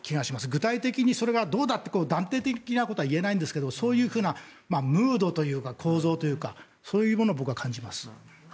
具体的にそれがどうだっていう断定的なことは言えないんですがそういうムードというか構造というかそういうものを僕は感じます。